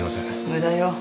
無駄よ。